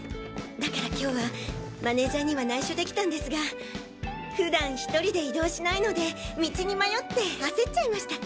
だから今日はマネージャーには内緒で来たんですが普段１人で移動しないので道に迷って焦っちゃいました。